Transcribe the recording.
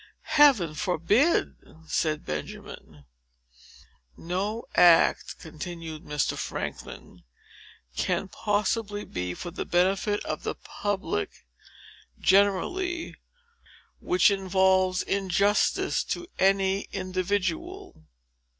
"Heaven forbid!" said Benjamin. "No act," continued Mr. Franklin, "can possibly be for the benefit of the public generally, which involves injustice to any individual.